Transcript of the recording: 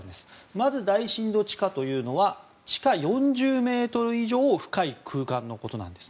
まず大深度地下というのは地下４０ｍ以上の深い空間です。